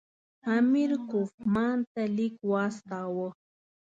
امیر کوفمان ته لیک واستاوه.